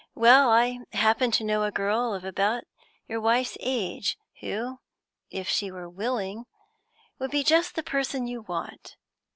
Well, I happen to know a girl of about your wife's age, who, if she were willing, would be just the person you want.